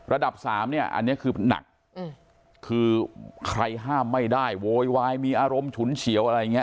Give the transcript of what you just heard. ระดับสามเนี่ยอันนี้คือหนักคือใครห้ามไม่ได้โวยวายมีอารมณ์ฉุนเฉียวอะไรอย่างนี้